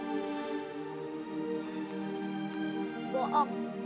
pasti ayah akan berbuat jahat lagi sama kita